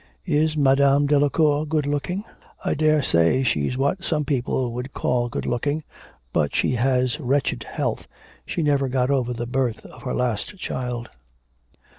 'Is Madame Delacour good looking?' 'I daresay she's what some people would call good looking. But she has wretched health, she never got over the birth of her last child.'